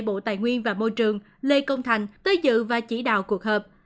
bộ tài nguyên và môi trường lê công thành tới dự và chỉ đạo cuộc họp